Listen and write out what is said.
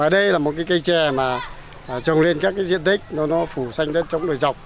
đây là một cây trẻ mà trồng lên các diện tích nó phủ xanh đất trong đồi dọc